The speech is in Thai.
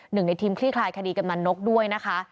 หนึ่งในทีมคลี่คลายคดีกำนันนกด้วยนะคะ